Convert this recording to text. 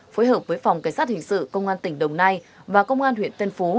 phối hợp với phòng cảnh sát hình sự công an tỉnh đồng nai và công an huyện tân phú